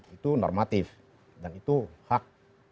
itu normatif dan itu hak